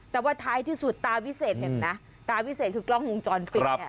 แต่ว่าท้ายที่สุดตาวิเศษเห็นไหมตาวิเศษคือกล้องวงจรปิดเนี่ย